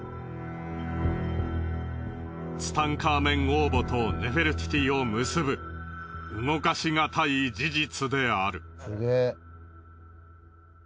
ツタンカーメン王墓とネフェルティティを結ぶ動かしがたい事実である。